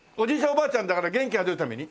おばあちゃんだから元気が出るために？